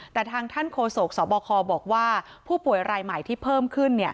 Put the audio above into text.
แต่ทางท่านโฆษกสบคบอกว่าผู้ป่วยรายใหม่ที่เพิ่มขึ้น